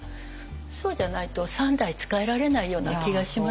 そうじゃないと三代仕えられないような気がしますよね。